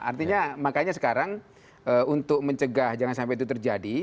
artinya makanya sekarang untuk mencegah jangan sampai itu terjadi